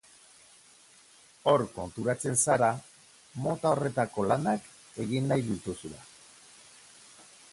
Hor konturatzen zara mota horretako lanak egin nahi dituzula.